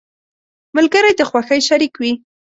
• ملګری د خوښۍ شریك وي.